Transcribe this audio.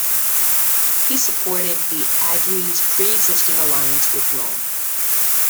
He supported the Aedui's preexisting alliance with Rome.